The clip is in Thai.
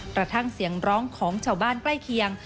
กระทั่งเสียงร้องของชาวบ้านใกล้เคียง